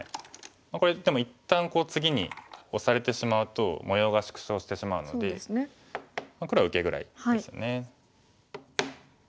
これでも一旦次にオサれてしまうと模様が縮小してしまうので黒は受けぐらいですよね。